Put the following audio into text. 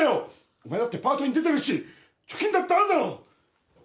お前だってパートに出てるし貯金だってあるだろ！